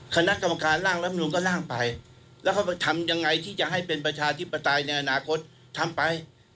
คณะกรรมการร่างรัฐมนุนก็ล่างไปแล้วเขาทำยังไงที่จะให้เป็นประชาธิปไตยในอนาคตทำไป